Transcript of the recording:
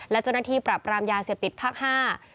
และเจ้าหน้าที่ปรับรามยาเสพติดภาคห้า